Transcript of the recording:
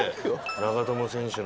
長友選手の。